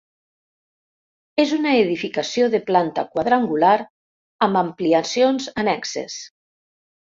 És una edificació de planta quadrangular amb ampliacions annexes.